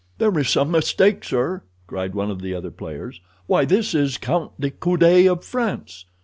"There is some mistake, sir," cried one of the other players. "Why, this is Count de Coude, of France."